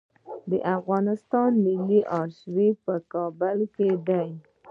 د افغانستان ملي آرشیف په کابل کې دی